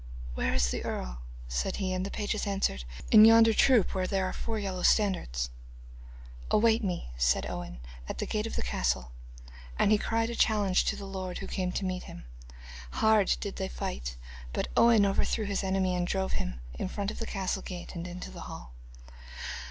'Where is the earl?' said he, and the pages answered: 'In yonder troop where are four yellow standards.' 'Await me,' said Owen, 'at the gate of the castle, and he cried a challenge to the earl, who came to meet him. Hard did they fight, but Owen overthrew his enemy and drove him in front to the castle gate and into the hall.